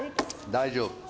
大丈夫。